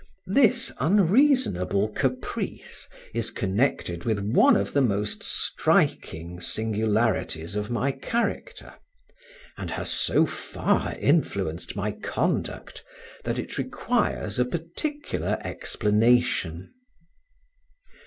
This unreasonable caprice is connected with one of the most striking singularities of my character, and has so far influenced my conduct, that it requires a particular explanation.